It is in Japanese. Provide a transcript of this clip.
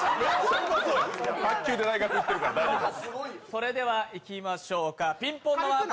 それではいきましょうか。